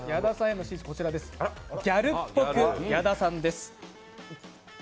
ギャルっぽく、矢田さんです